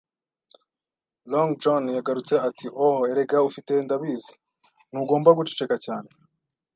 Long John yagarutse ati: “Oh, erega, ufite, ndabizi.” “Ntugomba guceceka cyane